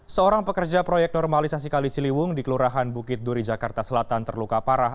seorang pekerja proyek normalisasi kali ciliwung di kelurahan bukit duri jakarta selatan terluka parah